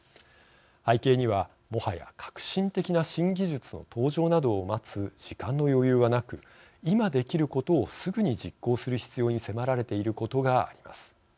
背景には、もはや革新的な新技術の登場などを待つ時間の余裕はなく今できることをすぐに実行する必要に迫られていることがあります。